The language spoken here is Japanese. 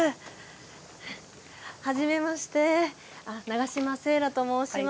はじめまして永島聖羅と申します。